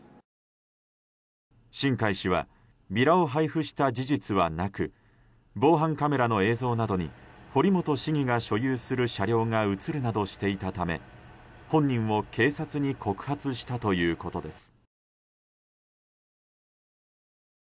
新開氏はビラを配布した事実はなく防犯カメラの映像などに堀本市議が所有する車両が映るなどしていたため本人を警察に告発したということです。